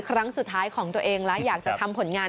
ครั้งสุดท้ายของตัวเองและอยากจะทำผลงาน